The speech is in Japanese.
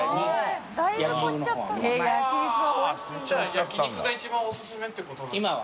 焼肉が一番おすすめってことなんですか？